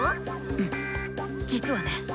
うん実はね。